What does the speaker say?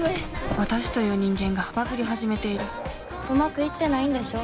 私という人間がバグり始めているうまくいってないんでしょ？